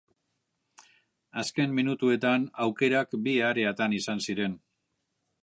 Azken minutuetan aukerak bi areatan izan ziren.